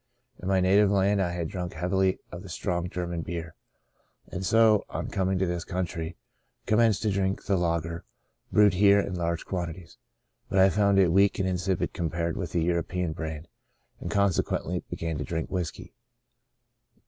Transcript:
In my native land I had drunk heavily of the strong German beer, and so, on coming to this country, com menced to drink the lager brewed here in large quantities. But I found it weak and insipid compared with the European brand and, consequently, began to drink whiskey.